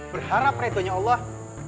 berharap redonya allah